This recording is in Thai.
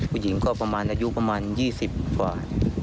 ผู้หญิงก็อายุประมาณ๒๐ปีกว่า